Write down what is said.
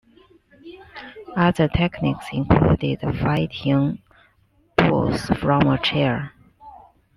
Other techniques included fighting bulls from a chair.